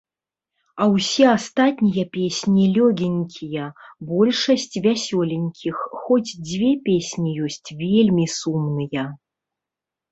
А ўсе астатнія песні лёгенькія, большасць вясёленькіх, хоць, дзве песні ёсць вельмі сумныя.